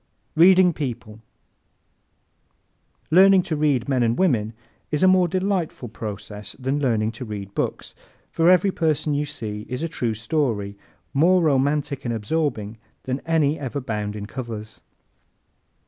Reading People ¶ Learning to read men and women is a more delightful process than learning to read books, for every person you see is a true story, more romantic and absorbing than any ever bound in covers.